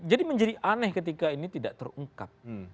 jadi menjadi aneh ketika ini tidak terungkap